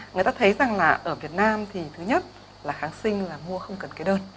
người ta thấy rằng là ở việt nam thì thứ nhất là kháng sinh là mua không cần kế đơn